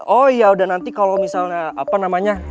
oh ya udah nanti kalau misalnya apa namanya